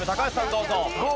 どうぞ。